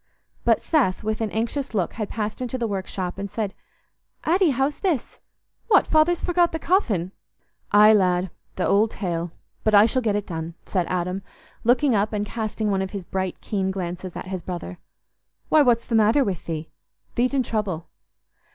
But Seth, with an anxious look, had passed into the workshop and said, "Addy, how's this? What! Father's forgot the coffin?" "Aye, lad, th' old tale; but I shall get it done," said Adam, looking up and casting one of his bright keen glances at his brother. "Why, what's the matter with thee? Thee't in trouble."